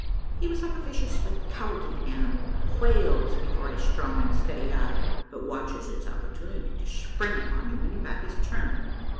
He was like a vicious but cowardly animal that quails before a strong and steady eye, but watches its oppor tunity to spring upon you when your back is turned.